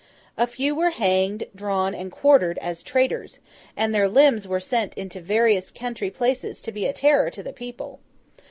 A few were hanged, drawn, and quartered, as traitors, and their limbs were sent into various country places to be a terror to the people.